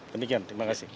demikian terima kasih